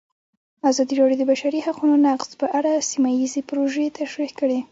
ازادي راډیو د د بشري حقونو نقض په اړه سیمه ییزې پروژې تشریح کړې.